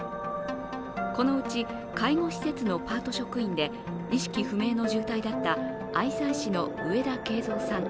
このうち介護施設のパート職員で意識不明の重体だった愛西市の上田敬三さん